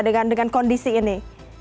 dengan kondisi ini